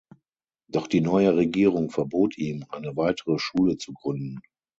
Doch die neue Regierung verbot ihm, eine weitere Schule zu gründen.